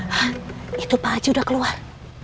hah itu pak haji udah keluar